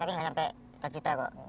tapi gak sampai sejuta kok